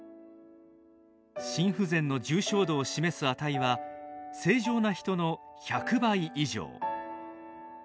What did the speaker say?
心不全の重症度を示す値は正常な人の１００倍以上。